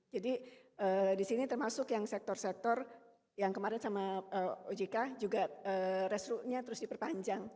jadi disini termasuk yang sektor sektor yang kemarin sama ojk juga resrutenya terus diperpanjang